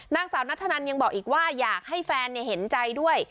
นางสาวนัทธนันยังบอกอีกว่าอยากให้แฟนเห็นใจด้วย